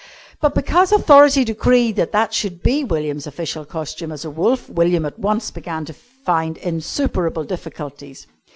But, because Authority decreed that that should be William's official costume as the Wolf, William at once began to find insuperable difficulties.